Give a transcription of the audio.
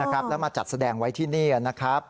แล้วมาจัดแสดงไว้ที่นี่นะครับ